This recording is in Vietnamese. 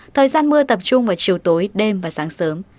thời gian mưa tập trung vào chiều tối đêm và sáng sớm